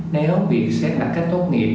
nếu việc xét đặt cách tốt nghiệp